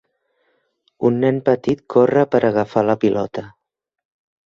Un nen petit corre per agafar la pilota